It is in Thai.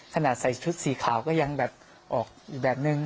ใส่ชุดสีขาวก็ยังแบบออกอีกแบบนึง